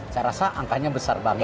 saya rasa angkanya besar banget